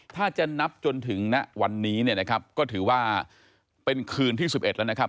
ถ้าจะนับจนถึงณวันนี้เนี่ยนะครับก็ถือว่าเป็นคืนที่๑๑แล้วนะครับ